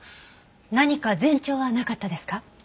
何か前兆はなかったですか？